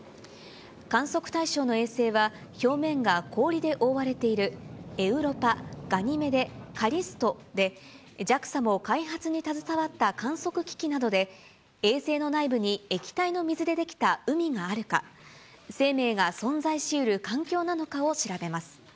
観測対象の衛星は、表面が氷で覆われているエウロパ、ガニメデ、カリストで、ＪＡＸＡも開発に携わった観測機器などで、衛星の内部に液体の水で出来た海があるか、生命が存在しうる環境なのかを調べます。